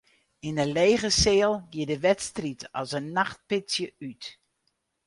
Yn de lege seal gie de wedstriid as in nachtpitsje út.